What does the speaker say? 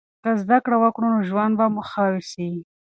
که زده کړه وکړو نو ژوند به مو ښه سي.